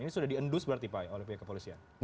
ini sudah diendus berarti pak oleh pihak kepolisian